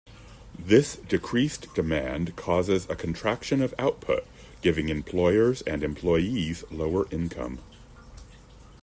This decreased demand causes a contraction of output, giving employers and employees lower income.